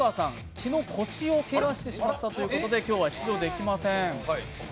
昨日、腰をけがしてしまったということで今日は出場できません。